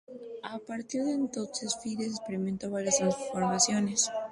A partir de entonces, Fides experimentó varias transformaciones.